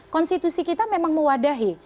konstitusi kita memang mewadahi